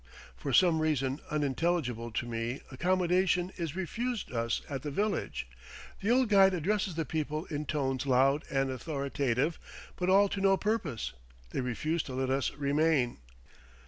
For some reason unintelligible to me accommodation is refused us at the village. The old guide addresses the people in tones loud and authoritative, but all to no purpose they refuse to let us remain.